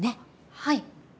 はい。